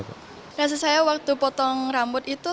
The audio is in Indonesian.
kasih saya waktu potong rambut itu